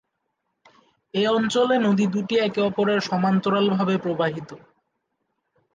এ অঞ্চলে নদী দুটি একে-অপরের সমান্তরালভাবে প্রবাহিত।